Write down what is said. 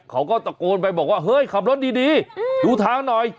เขาก็ตะโกนไปบอกว่าเฮ้ยขับรถดีดูทางหน่อย